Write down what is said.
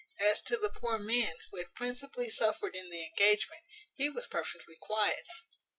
As to the poor man, who had principally suffered in the engagement, he was perfectly quiet.